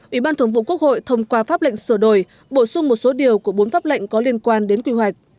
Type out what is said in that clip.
ủy ban thường vụ quốc hội thông qua pháp lệnh sửa đổi bổ sung một số điều của bốn pháp lệnh có liên quan đến quy hoạch